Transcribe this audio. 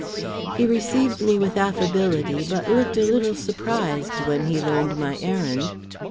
He received me with affability, but looked a little surprised when he learned my errand.